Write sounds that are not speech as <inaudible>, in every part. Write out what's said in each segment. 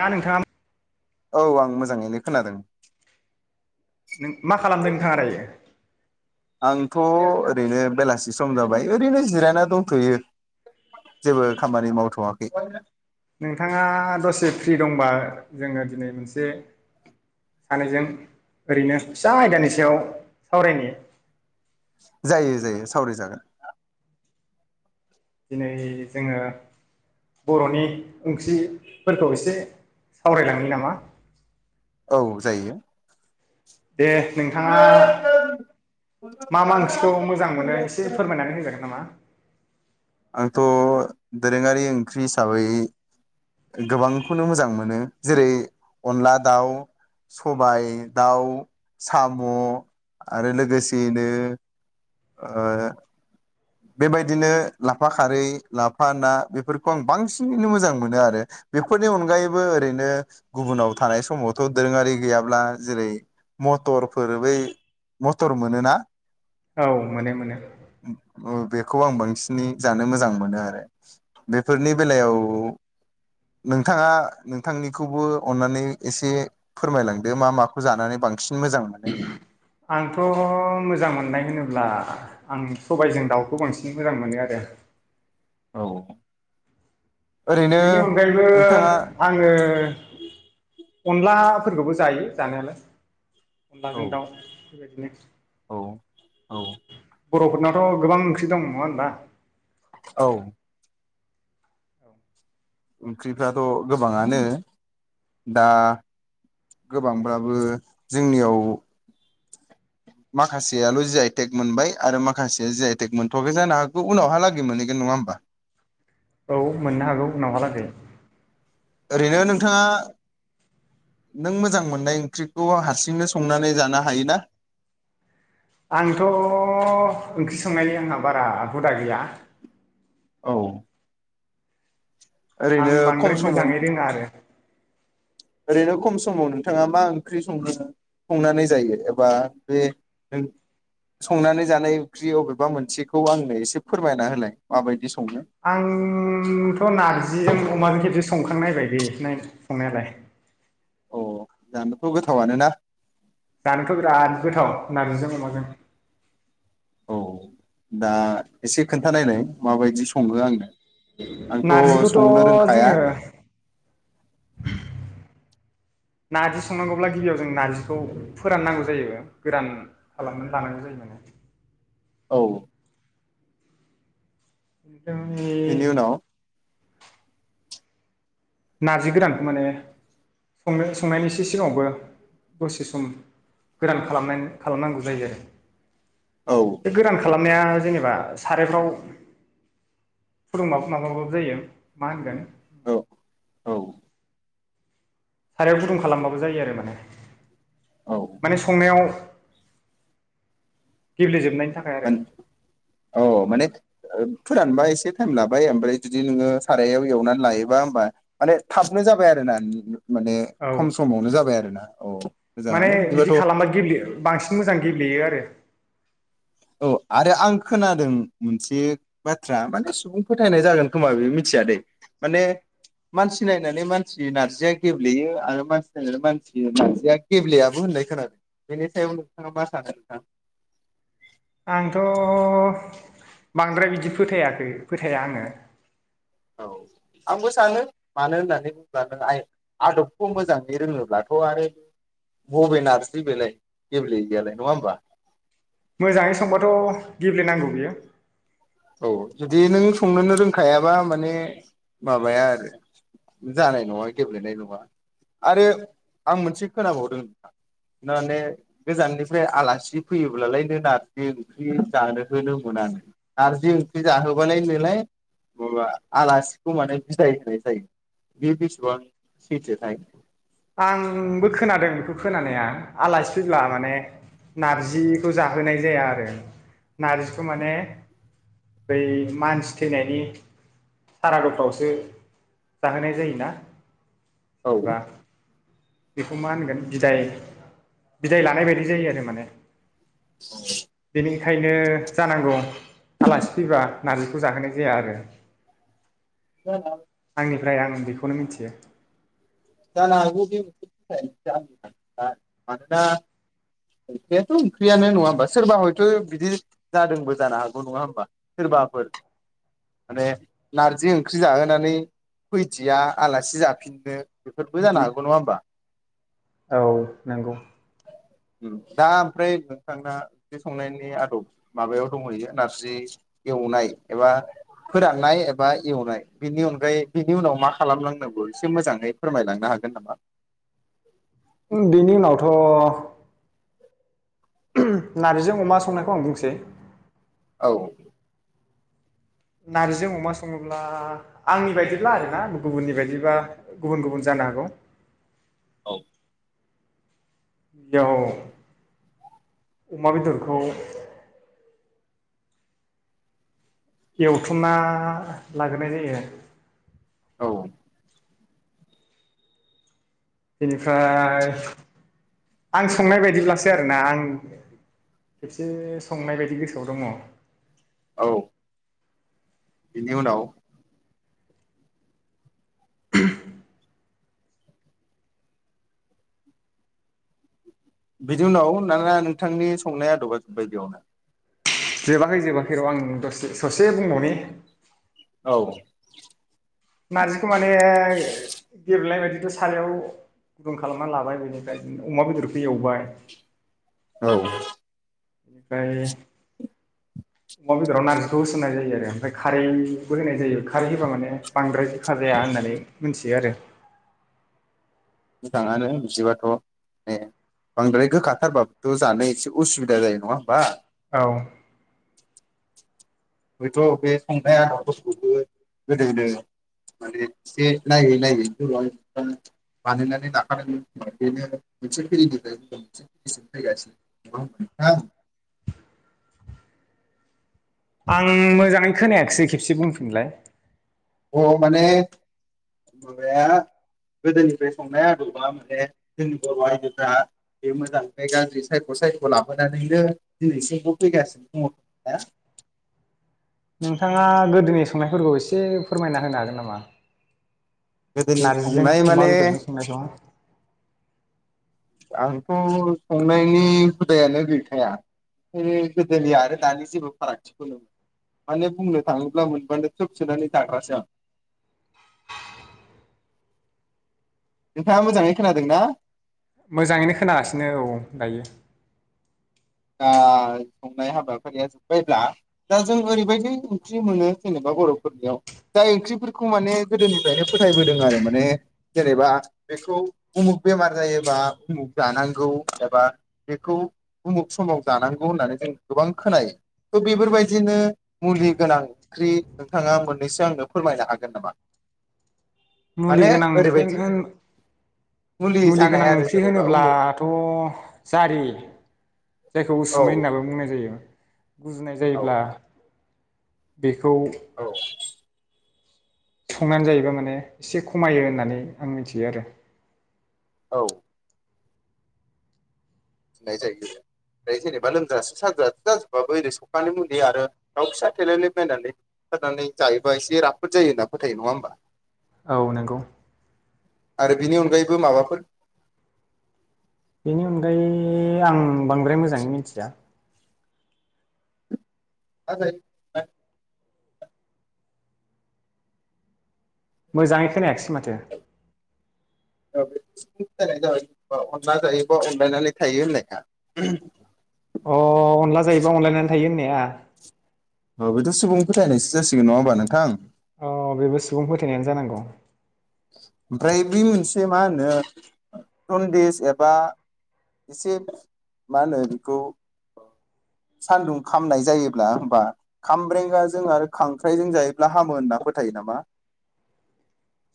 दा नोंथाम औ आं मोजाङैनो खोनादों। नों मा खालामदों नोंथाङा दायो? थ ओरैनो बेलासि सम जाबाय ओरैनो जिरायना दंथयो। जेबो खामानि मावथवा। <unintelligible> नोंथाङा दसे फ्रि दंबा जोङो दिनै मोनसे सानैजों ओरैनो फिसा आयदानि सायाव सावरायनि। जायो जायो सावरायजागोन। दिनै जोङो बर'नि ओंख्रि फोरखौ एसे सावरायलांनि नामा? औ जायो। दे नोंथाङा मा मा ओंख्रिखौ मोजां मोनो एसे फोरमायनानै होजागोन नामा? आंथ दोरोङारि ओंख्रि हिसाबै गोबांखौनो मोजां मोनो। जेरै अनला दाउ, सबाय दाउ, साम आरो लोगोसेयैनो ओ बेबायदिनो लाफा खारै, लाफा ना बेफोरखौ आं बांसिनैनो मोजां मोनो आरो बेफोरनि अनगायैबो ओरैनो गुबुनाव थानाय समावथ दोरोङारि गैयाब्ला जेरै मटरफोर बै मटर मोनोना औ मोनो मोनो। ओ बेखौ आं बांसिनै जानो मोजां मोनो आरो बेफोरनि बेलायाव नोंथाङा नोंथांनिखौबो अन्नानै एसे फोरमायलांदो मा माखौ जानानै बांसिन मोजां मोनो। आंथ' मोजां मोननाय होनोब्ला आं सबायजों दाउखौ बांसिन मोजां मोनो आरो। औ। बेनि अनगायैबो आङो अनलाफोरखौबो जायो जानायालाय। औ अनलाजों दाउ बेबायदिनो। औ बर'फोरनाथ गोबां ओंख्रि दं नङा होनबा? औ। ओंख्रिफ्राथ गोबाङानो दा गोबांब्लाबो जोंनियाव माखासेयाल जि आइ टेक मोनबाय। आरो माखासेया जि आइ टेक मोनथ'वाखै जानो हागौ उनावहालागै मोनहैगोन नङा होमबा? औ मोन्नो हागौ उनावहालागै। ओरैनो नोंथाङा नों मोजां मोन्नाय ओंख्रिखौ हारसिंनो संनानै जानो हायोना? आंथ ओंख्रि संनायनि आंहा बारा हुदा गैया। औ। आं ओरैनो खम बांद्राय समाव मोजाङै रोङा आरो ओरैनो खम समाव नोंथाङा मा ओंख्रि संङो संनानै जायो एबा बे नों संनानै जानाय ओंख्रि अबेबा मोनसेखौ आंनो एसे फोरमायना होलाय माबायदि सङो। आंथ नार्जिजों अमाजों खेबसे संखां नायबायलै नाय संनायालाय। अ जानोथ गोथावानोना? जानोथ बिराद गोथाव नार्जिजों अमाजों। औ दा एसे खोन्थानायलाय माबायदि सङो आंनो। आंथ' नार्जिखौथ संनो रोंखाया जोङो नार्जि संनांगौब्ला गिबियाव जों नारजिखौ फोराननांगौ जायो गोरान खालामनानै लानांगौ जायो माने औ। <unintelligible> जोंनि। बेनि उनाव नारजि गोरानखौ माने संनो संनायनि एसे सिगाङावबो दसे सम गोरान खालामनाय खालामनांगौ जायो आरो। औ बे गोरान खालाम नाया जेनेबा सारायफ्राव फुदुंबा माबाबाबो जायो मा होनगोन। औ औ। सारायाव गुदुं खालामबाबो जायो आरो माने। औ माने संनायाव। गेब्लेे जोबनाय। मान औ औ माने। फोरानबा एसे टाइम लाबाय ओमफ्राय जुदि नोङो सारायाव एवनानै लायोबा होमबा माने थाबनो जाबाय आरो ना माने औ खम समावनो जाबाय आरो ना। औ। माने मोजाङानो बिदि बिदिबाथ' खालामबा गेब्लेयो बांसिन मोजां गेब्लेयो आरो। औ आरो आं खोनादों मोनसे बाथ्रा माने सुबुं फोथायनाय जागोन खोमा बे मिथियाादे माने मानसि नायनानै मानसि नार्जिया गेब्लेयो आरो मानसि नायनानै मानसि नार्जिया गेब्लेयाबो होननाय खोनादों बेनि सायाव नोंथाङा मा सानो नोंथां। आंथ। बांद्राय बिदि फोथायाखै। फोथाया आङो। औ आंबो सानो मानो होननानै बुङोब्ला नों आइ आदबखौ मोजाङै रोङोब्लाथ आरो बबे नारजि बेलाय गेब्लेयै गैयालाय नङा होमबा। मोजाङै संबाथ गेब्लेनांगौ बियो। औ जुदि नों संनोनो रोंखायाबा माने माबाया आरो जानाय नङा गेब्लेनाय नङा आरो आं मोनसे खोनाबावदों माने गोजाननिफ्राय आलासि फैयोब्लालाय नो नारजि ओंख्रि जानो होनो मोनानो नार्जि ओंख्रि जाहोबा लायनो लाय माबा आलासिखौ माने बिदाय होनाय जायो बे बेसेबां सैथो थाय। आंबो खोनादों बेखौ खोनानाया आलासि फैब्ला माने नार्जिखौ जाहोनाय जाया आरो नार्जिखौ माने बै मानसि थैनायनि सारादुफ्रावसो जाहोनाय जायोना। जेनेबा। बेखौ मा होनगोन बिदाय बिदाय लानाय बायदि जायो आरो माने। दिनै। खायनो जानांगौ आलासि फैबा नार्जिखौ जाहोनाय जाया आरो। <unintelligible> आंनिफ्राय आं बेखौनो मिनथियो। जानो दि <unintelligible> मानोबा। ओंख्रियाथ ओंख्रियानो नङा होमबा सोरबा हयथयै बिदि जादोंबो जानो हागौ नङा होमबा सोरबाफोर माने नारजि ओंख्रि जाहोनानै फैदिया आलासि जाफिननो बेफोरबो जानो हागौ नङा होमबा। औ नंगौ। दा ओमफ्राय नोंथांना ओंख्रि संनायनि आदब माबायाव दंहैयो नारजि एवनाय एबा फोराननाय एबा एवनाय बिनि अनगायै बिनि उनाव मा खालामलांनांगौ एसे मोजाङै फोरमायलांनो हागोन नामा। उम बिनि उनावथ। नारजिजों अमा संनायखौ आं बुंसै। औ। नारजि अमा सङोब्ला आंनि बायदिब्ला आरोना गुबुननि बायदिबा गुबुन गुबुन जानो हागौ। औ। बेयाव अमा बेदरखौ। एवथुमना लाग्रोनाय जायो। औ बेनिफ्राय आं संनाय बायदिब्लासो आरोना आं खेबसे संनाय बायदि गोसोआव दङ। औ बिनि उनाव बिदि उनाव नङा नोंथांनि संनाया आदबा जोबबाय बेयावनो? जोबाखै जोबाखै र आं दसे ससे बुंबावनि औ नारजिखौ माने गेबलेनाय बायदि दो सारायाव गुदुं खालामना लाबाय बेनिफ्राय अमा बेदर एवबाय औ ओमफाय अमा बेदराव नारजिखौ होसननाय जायो आरो ओमफाय खारैबो होनाय जायो खारै होबा माने बांद्राय गोखा जाया होननानै मोनथियो आरो मोजाङानो बिदिबाथ ने बांद्राय गोखाथारबाबथ जानो एसे उसुबिदा जायो नङा होमबा औ हयथ बे संनाया <unintelligible> गोदो गोदो माने एसे नायै नायै <inaudible> बानायनानै लाखादोंमोन बेनो मोनसे फिरिनिफ्राय <inaudible> फैगासिनो <inaudible> आं मोजाङै खोनायाखसै खेबसे बुंफिनलाय अ माने माबाया गोदोनिफ्राय संनाय आदबा माने जोंनि बर' आइजोफ्रा बे मोजांनिफ्राय गाज्रि सायख' सायख' लाबोनानैनो दिनैसिमबो फैगासिनो दङ ना नोंथाङा गोदोनि संनायफोरखौ एसे फोरमायना होनो हागोन नामा? गोदोनि नारजिजों संनाय अमा माने बेदरजों संनायखौ आंथ संनायनि हुदायानो गैखाया बे गोदोनि आरो दानि जेबो फारागथिखौनो माने बुंनो थाङोब्ला मोनबानो थ्रोब सोनानै जाग्रासो आं नोंथाङा मोजाङै खोनादों ना? मोजाङैनो खोनागासिनो औ दायो दा संनाय हाबाफारिया जोब्बायब्ला दा जों ओरैबायदि ओंख्रि मोनो जेनेबा बर'फोरनियाव जाय ओंख्रिफोरखौ माने गोदोनिफ्रायनो फोथायबोदों आरो माने जेनेबा बेखौ उमुख बेमार जायोबा उमुख जानांगौ एबा बेखौ उमुख समाव जानांगौ होननानै जों गोबां खोनायो थ बेफोरबायदिनो मुलि गोनां ओंख्रि नोंथाङा मोननैसो आंनो फोरमायनो हागोन नामा? मुलि माने गोनां ओंख्रिन ओरैबायदि होन मुलि गोनां जानाय आरो ओंख्रि जेनेबा उमुख होनोब्लाथ जारि जायखौ औ उसुमै होननाबो बुंनाय जायो गुजुनाय औ जायोब्ला बे औ संनानै जायोबा माने एसे खमायो होननानै आं मिथियो आरो। औ जुनाय जायो ओमफ्राय जेनेबा लोमजासु साजासु जाजोबाबो ओरै सखानि मुलि आरो दाउ फिसा थेलेबलेब बायनानैनानै बुथारनानै जायोबा एसे राफोद जायो होनना फोथायो नङा होमबा? औ नोंगौ आरो बिनि अनगायैबो माबाफोर? बेनि अनगायै आं बांद्राय मोजाङै मिथिया <unintelligible> मोजाङै खोनायाखसै माथो औ <unintelligible> अनला जायोबा अनलायनानै थायो होननाया अ अनला जायोबा अनलायनानै थायो होननाय आ औ बेथ सुबुं फोथायनायसो जासिगोन नङा होमबा नोंथां? अ बेबो सुबुं फोथायनायानो जानांगौ ओमफ्राय बे मोनसे मा होनो जनदिस एबा एसे मा होनो बेखौ सान्दुं खामनाय जायोब्ला होमबा खामब्रेंगाजों आरो खांख्राइजों जायोब्ला हामो होनना फोथायो नामा?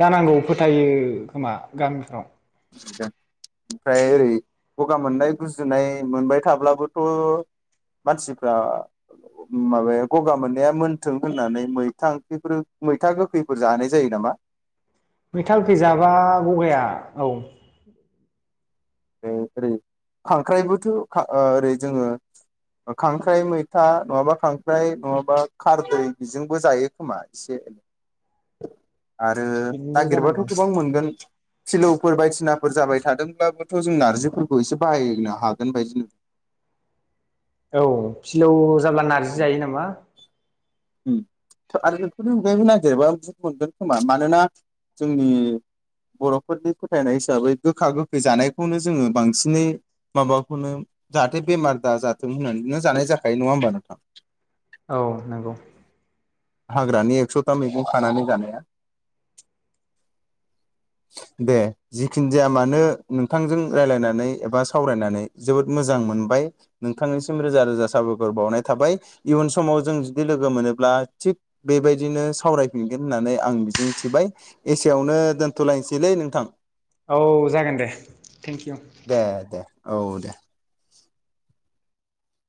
जानांगौ फोथायो खोमा गामिफ्राव ओमफ्राय ओरै गगा मोन्नाय गुजुनाय मोनबाय थाब्लाबोथ मानसिफ्रा माबाया गगा मोन्नाया मोनथों होन्नानै मैथा ओंख्रिफोर मैथा गोखैफोर जानाय जायो नामा। मैथाख गोखै जाबा गगाया औ ओरै खांख्राइबोथ खा ओ ओरै जोङो खांख्राइ मैथा नङाबा खांख्राइ नङाबा खारदै बेजोंबो जायो खोमा एसे। आरो बिदिनो नागिरबाथ जानांगौ गोबां मोनगोन। फिलौफोर बायदिसिनाफोर जाबाय थादोंब्लाबो थ जों नार्जिफोरखौ एसे बाहायनो हागोन बायदि औ फिलौ। जाब्ला नार्जि जायो नामा? उम आरो बेफोरनि आवगायबो नागिरबां प्रुफ मोनगोन खोमा मानोना जोंनि बर'फोरनि फोथायनाय हिसाबै गोखा गोखै जानायखौनो जोङो बांसिनै माबाखौनो जाहाथे बेमार दाजाथों होन्नानैनो जानाय जाखायो नङा होमबा नोंथां? औ नोंगौ। हाग्रानि एक्सथा मैगं खानानै जानाया। दे जिखिनिजाया मानो नोंथांजों रायलायनानै एबा सावरायनानै जोबोद मोजां मोनबाय नोंथांनिसिम रोजा रोजा साबायखर बावनाय थाबाय इयुन समाव जों बिदि लोगो मोनोब्ला थिग बेबायदिनो सावरायफिनगोन होन्नानै आं मिजिंथिबाय एसेयावनो दोन्थ'लायसैलै नोंथां। औ जागोन दे थेंक इउ। दे दे औ दे।